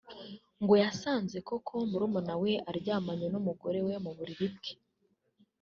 ngo yasanze koko Murumuna we aryamanye n’umugore we mu buriri bwe